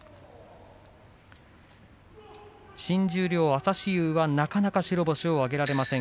新十両朝志雄はなかなか白星を挙げられません。